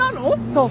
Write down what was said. そう。